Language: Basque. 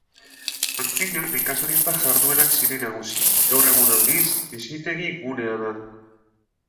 Antzina nekazaritza-jarduerak ziren nagusi, gaur egun, aldiz, bizitegi-gunea da.